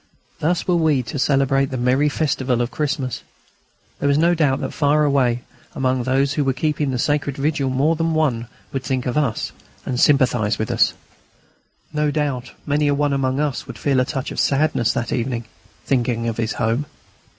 Thus were we to celebrate the merry festival of Christmas. There was no doubt that far away among those who were keeping the sacred vigil more than one would think of us and sympathise with us.... No doubt many a one among us would feel a touch of sadness that evening, thinking of his home.